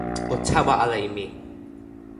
o tawa ala e mi!